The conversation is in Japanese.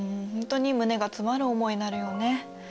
本当に胸が詰まる思いになるよね。